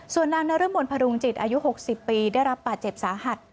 ส่วนนางนรมนพรุงจิตอายุ๖๐ปีได้รับบาดเจ็บสาหัส